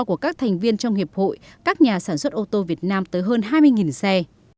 các nhà sản xuất ô tô việt nam tới hơn hai mươi xe